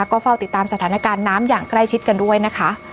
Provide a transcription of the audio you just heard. ก็เฝ้าติดตามสถานการณ์น้ำอย่างใกล้ชิดกันด้วยนะคะ